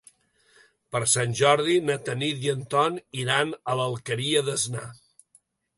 Per Sant Jordi na Tanit i en Ton iran a l'Alqueria d'Asnar.